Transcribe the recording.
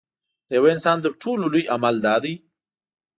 د یوه انسان تر ټولو لوی عمل دا دی.